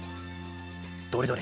どれどれ？